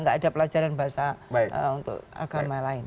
gak ada pelajaran bahasa agama lain